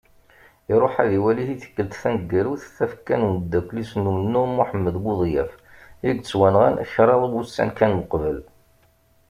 Iṛuḥ, ad iwali i tikkelt taneggarut tafekka n umeddakkel-is n umennuɣ Muḥemmed Buḍyaf i yettwanɣan kraḍ wussan kan uqbel.